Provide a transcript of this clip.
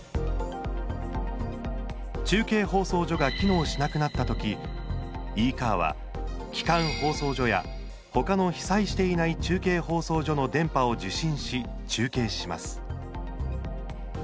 中継放送所が機能しなくなったときＥカーは基幹放送所やほかの被災していない中継放送所の電波を受信し中継します。